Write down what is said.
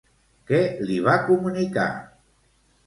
Què li va comunicar?